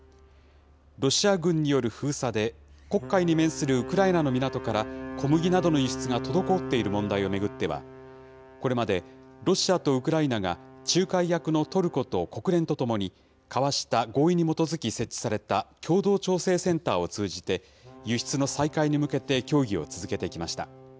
ロシア軍による封鎖で、黒海に面するウクライナの港から、小麦などの輸出が滞っている問題を巡っては、これまでロシアとウクライナが仲介役のトルコと国連とともに交わした合意に基づき設置された共同調整センターを通じて、輸出の再開に向けて協議を続けてきました。